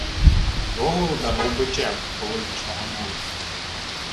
Рогволода мов бичем по виді шмагонули.